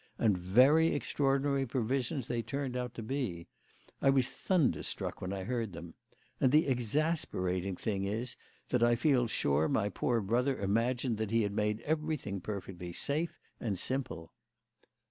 And very extraordinary provisions they turned out to be. I was thunderstruck when I heard them. And the exasperating thing is that I feel sure my poor brother imagined that he had made everything perfectly safe and simple."